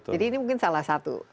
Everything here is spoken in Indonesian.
jadi ini mungkin salah satu